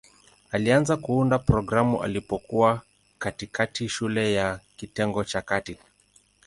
Alianza kuunda programu alipokuwa katikati shule ya kitengo cha kati.